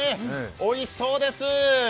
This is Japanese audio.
おいしそうです。